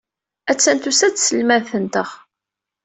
Attan tusa-d tselmadt-nteɣ.